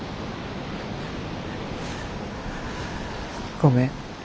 ごめん